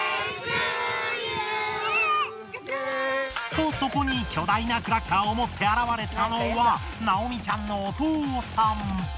とそこに巨大なクラッカーを持って現れたのはナオミちゃんのお父さん。